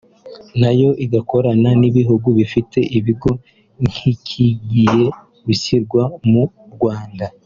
nayo igakorana n’ibihugu bifite ibigo nk’ikigiye gushyirwaho mu Rwanda